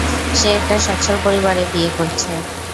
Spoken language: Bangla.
সে একটা সচ্ছল পরিবারে বিয়ে করছে।